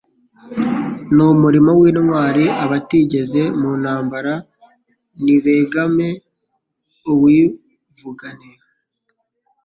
Ni umulimo w'intwali abatigeze mu ntambara nibegame uwivugane.